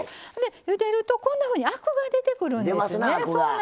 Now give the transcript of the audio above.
ゆでると、こんなふうにアクが出てくるんですね。